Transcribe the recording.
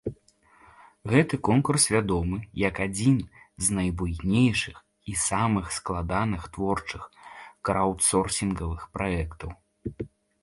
Гэты конкурс вядомы як адзін з найбуйнейшых і самых складаных творчых краўдсорсінгавых праектаў.